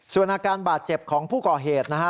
ส่วนอาการบาดเจ็บของผู้ก่อเหตุนะฮะ